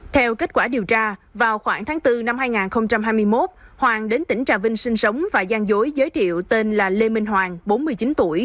theo kết quả điều tra vào khoảng tháng bốn năm hai nghìn hai mươi một hoàng đến tỉnh trà vinh sinh sống và gian dối giới thiệu tên là lê minh hoàng bốn mươi chín tuổi